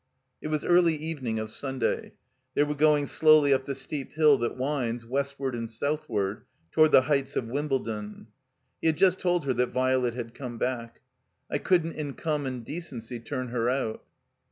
It was early evening of Sumday. They were going slowly up the steep hill that winds, westward and southward, toward the heights of Wimbledon. He had just told her that Violet had come back. '*I couldn't in common decency turn her out."